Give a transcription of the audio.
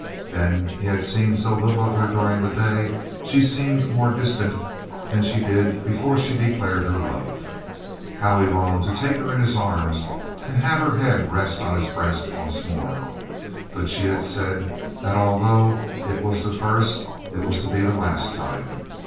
Then he had seen so little of her during the day; she seemed more distant than she did before she declared her love. How he longed to take her in his arms, to have her head rest on his breast once more! But she had said that although it was the first it was to be the last time.